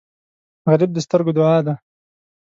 غریب د سترګو دعا ده